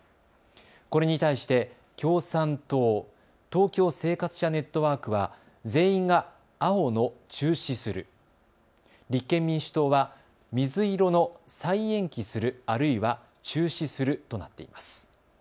これに対して共産党、東京・生活者ネットワークは全員が青の中止する、立憲民主党は水色の再延期する、あるいは中止するとなっています。